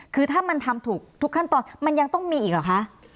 คือถ้ามันทำถูกทุกขั้นตอนมันยังต้องมีอีกเหรอคะ